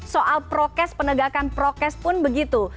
soal prokes penegakan prokes pun begitu